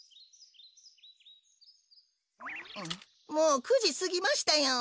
もう９じすぎましたよ。